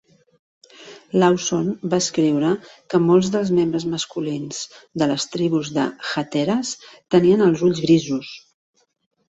Lawson va escriure que molts dels membres masculins de les tributs de Hatteras tenien els ulls grisos.